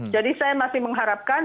jadi saya masih mengharapkan